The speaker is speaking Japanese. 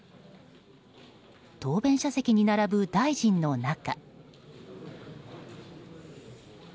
答弁者席に並ぶ大臣の中。